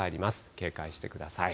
警戒してください。